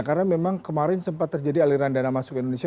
karena memang kemarin sempat terjadi aliran dana masuk ke indonesia